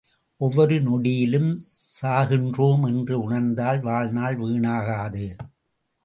ஒவ்வொரு நொடியிலும் சாகின்றோம் எனறு உணர்ந்தால் வாழ்நாள் வீணாகாது.